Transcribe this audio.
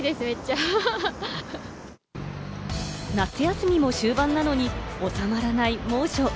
夏休みも終盤なのに収まらない猛暑。